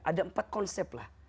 ada empat konsep lah